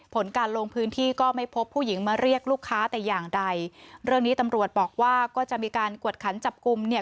ผลการลงพื้นที่ก็ไม่พบผู้หญิงมาเรียกลูกค้าแต่อย่างใดเรื่องนี้ตำรวจบอกว่าก็จะมีการกวดขันจับกลุ่มเนี่ย